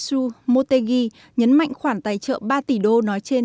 toshimo motegi nhấn mạnh khoản tài trợ ba tỷ đô nói trên